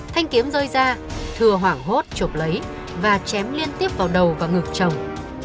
thênh kiếm rơi ra thưa hoảng hốt chụp lấy và chém liên tiếp vào đầu và ngực chồng